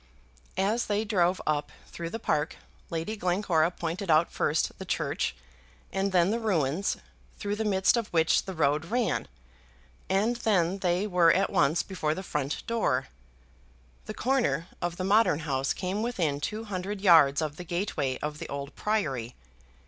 As they drove up through the park, Lady Glencora pointed out first the church and then the ruins, through the midst of which the road ran, and then they were at once before the front door. The corner of the modern house came within two hundred yards of the gateway of the old priory.